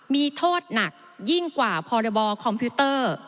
มีโทษหนักยิ่งกว่าพรบคอมพิวเตอร์